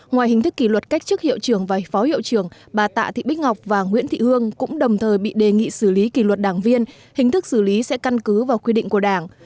ngoài hình thức kỷ luật cách chức hiệu trưởng và phó hiệu trưởng bà tạ thị bích ngọc và nguyễn thị hương cũng đồng thời bị đề nghị xử lý kỷ luật đảng viên hình thức xử lý sẽ căn cứ vào quy định của đảng